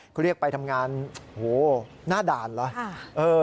เขาเรียกไปทำงานโอ้โหหน้าด่านเหรอ